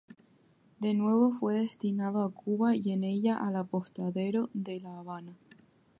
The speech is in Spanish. De nuevo fue destinado a Cuba y en ella al apostadero de La Habana.